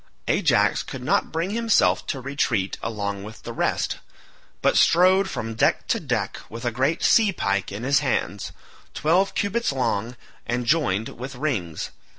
Ajax could not bring himself to retreat along with the rest, but strode from deck to deck with a great sea pike in his hands twelve cubits long and jointed with rings.